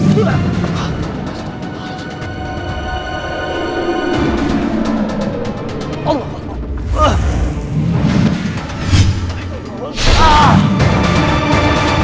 masya allah apa ini